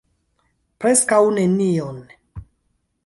Preskaŭ nenion.